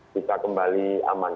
bisa kembali aman